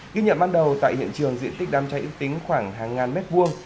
ghi nhận ban đầu tại hiện trường diện tích đám cháy ước tính khoảng hàng ngàn mét vuông